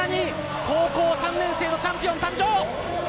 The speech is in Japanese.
高校３年生のチャンピオン誕生！